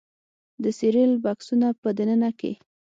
د سیریل بکسونو په دننه کې